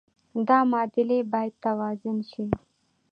دا معادلې باید توازن شي.